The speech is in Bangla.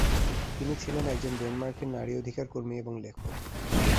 তিনি ছিলেন একজন ডেনমার্কের নারী অধিকার কর্মী এবং লেখক।